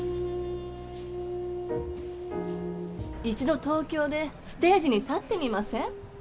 一度東京でステージに立ってみません？